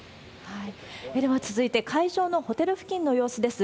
では続いて、会場のホテル付近の様子です。